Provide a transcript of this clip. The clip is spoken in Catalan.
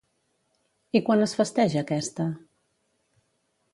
I quan es festeja aquesta?